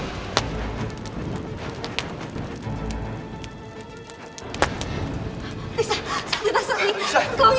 rizah sakitlah sakit